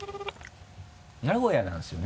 名古屋なんですよね？